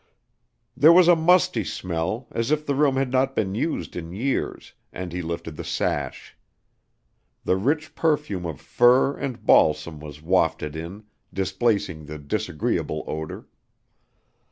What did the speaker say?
There was a musty smell, as if the room had not been used in years, and he lifted the sash. The rich perfume of fir and balsam was wafted in, displacing the disagreeable odor.